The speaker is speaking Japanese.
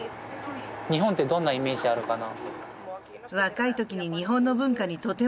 日本ってどんなイメージあるかな。